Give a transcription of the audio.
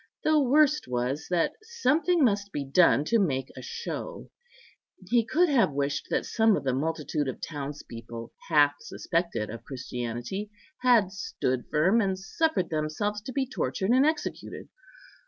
The worst was, that something must be done to make a show; he could have wished that some of the multitude of townspeople, half suspected of Christianity, had stood firm, and suffered themselves to be tortured and executed.